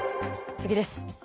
次です。